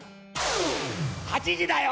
『８時だョ！』